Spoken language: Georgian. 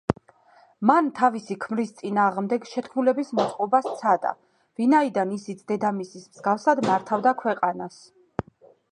მან თავისი ქმრის წინააღმდეგ შეთქმულების მოწყობა სცადა, ვინაიდან ისიც დედამისის მსგავსად მართავდა ქვეყანას.